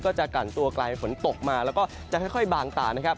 จะกลั่นตัวกลายฝนตกมาแล้วก็จะค่อยบางตานะครับ